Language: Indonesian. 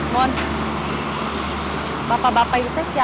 mon bapak bapak itu siapa kamu marah marah